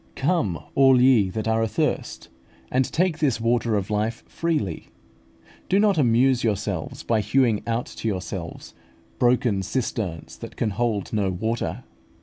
Come, all ye that are athirst, and take this water of life freely (see Rev. xxii. 17). Do not amuse yourselves by hewing out to yourselves "broken cisterns that can hold no water" (Jer.